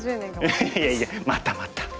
いやいやまたまた！